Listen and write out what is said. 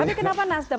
tapi kenapa nasdem